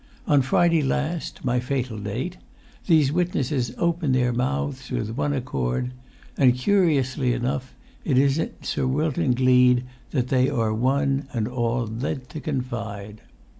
On Friday last—my fatal date—these witnesses open their mouths with one accord. And, curiously enough, it is in Sir Wilton Gleed that they are one and all led to confide!